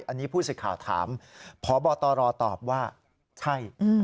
อันนี้ผู้สื่อข่าวถามพบตรตอบว่าใช่